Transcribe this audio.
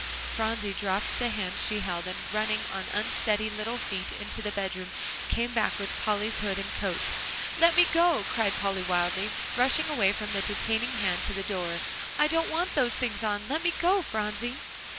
Phronsie dropped the hand she held, and running on unsteady little feet into the bedroom, came back with Polly's hood and coat. "Let me go," cried Polly wildly, rushing away from the detaining hand to the door, "I don't want those things on. Let me go, Phronsie!"